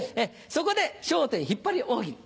そこで「笑点引っ張り大喜利」。